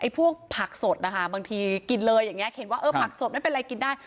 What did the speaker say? พวกผักสดนะคะบางทีกินเลยอย่างนี้เห็นว่าเออผักสดไม่เป็นไรกินได้